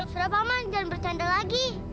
sudah paman jangan bercanda lagi